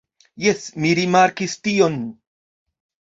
Jes, mi rimarkis tion.